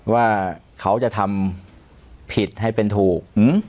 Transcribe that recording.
ว่าเขาจะทำผิดให้เป็นถูก